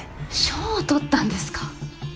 賞を獲ったんですか！